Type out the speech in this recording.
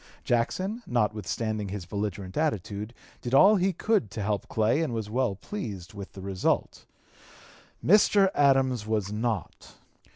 Jackson, notwithstanding his belligerent attitude, did all he could to help Clay and was well pleased with the result. Mr. Adams was not.